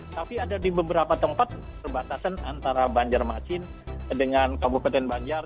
tapi ada di beberapa tempat perbatasan antara banjarmasin dengan kabupaten banjar